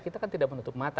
kita kan tidak menutup mata